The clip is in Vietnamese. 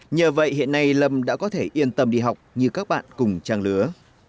nhờ vậy hiện nay lâm đã có thể yên tâm đi học như các bạn cùng trang lứa